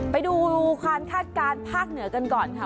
ไปดูความคาดการณ์ภาคเหนือกันก่อนค่ะ